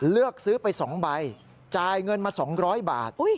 เลือกซื้อไป๒ใบจ่ายเงินมา๒๐๐บาท